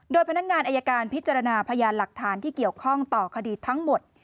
โดยพนักงานอายการพิจารณาพยานหลักฐานที่เกี่ยวข้องต่อคดีทั้งหมด